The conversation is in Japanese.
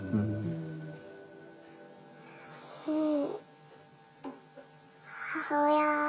うん。